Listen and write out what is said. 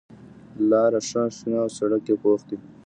لاره ښه شنه او سړک یې پوخ دی.